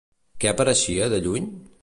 Què apareixia de lluny?